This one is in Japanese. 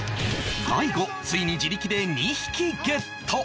大悟ついに自力で２匹ゲット